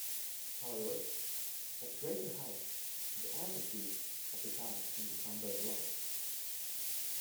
However, at greater heights the amplitudes of the tides can become very large.